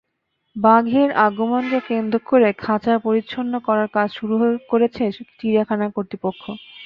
বাঘের আগমনকে কেন্দ্র করে খাঁচা পরিচ্ছন্ন করার কাজ শুরু করেছে চিড়িয়াখানা কর্তৃপক্ষ।